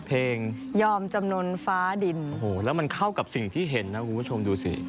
เพลงยอมจำนวนฟ้าดินโหและมันเข้ากับสิ่งที่เห็นนะหูข้าทวมดูสิ